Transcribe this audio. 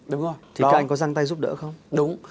thì các anh có răng tay giúp đỡ không